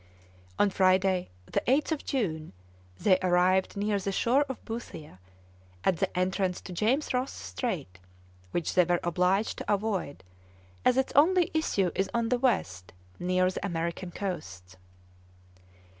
On Friday, the 8th of June, they arrived near the shore of Boothia, at the entrance to James Ross Strait, which they were obliged to avoid, as its only issue is on the west, near the American coasts.